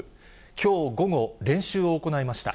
きょう午後、練習を行いました。